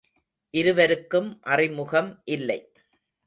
இருவருக்கும் அறிமுகம் இல்லை.